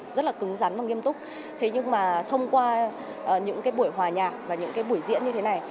rất là cứng rắn và nghiêm túc thế nhưng mà thông qua những cái buổi hòa nhạc và những cái buổi diễn như thế này